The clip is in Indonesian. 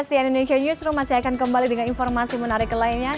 sian indonesia newsroom masih akan kembali dengan informasi menarik lainnya